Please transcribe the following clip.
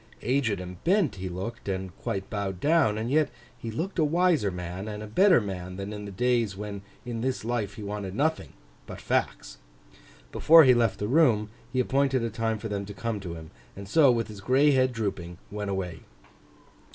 Aged and bent he looked, and quite bowed down; and yet he looked a wiser man, and a better man, than in the days when in this life he wanted nothing—but Facts. Before he left the room, he appointed a time for them to come to him; and so, with his gray head drooping, went away.